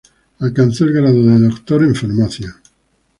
Alcanzó el grado de doctor en Farmacia.